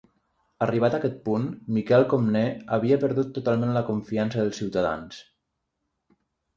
Arribat aquest punt, Miquel Comnè havia perdut totalment la confiança dels ciutadans.